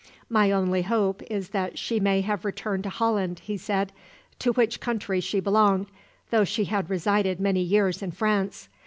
"My only hope is that she may have returned to Holland," he said, "to which country she belonged, though she had resided many years in France.